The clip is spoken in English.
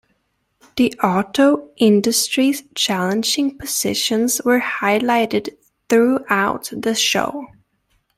The auto industry's challenging positions were highlighted throughout the show.